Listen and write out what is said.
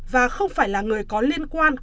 và không phải là người có liên quan